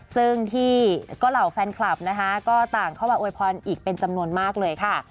ซึ่งที่เหล่าแฟนคลับนะคะก็ต่างเข้ามาอวยพรอีกเป็นจำนวนมากเลยค่ะ